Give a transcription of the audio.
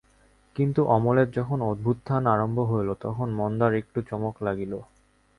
কিন্তু অমলের যখন অভ্যুত্থান আরম্ভ হইল তখন মন্দার একটু চমক লাগিল।